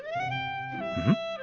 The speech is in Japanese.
うん？